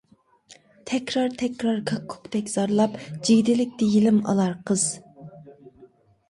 تەكرار-تەكرار كاككۇكتەك زارلاپ، جىگدىلىكتە يىلىم ئالار قىز.